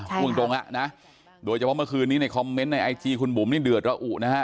พูดตรงอ่ะนะโดยเฉพาะเมื่อคืนนี้ในคอมเมนต์ในไอจีคุณบุ๋มนี่เดือดระอุนะฮะ